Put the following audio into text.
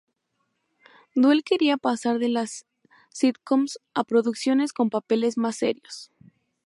Duel quería pasar de las sitcoms a producciones con papeles más serios.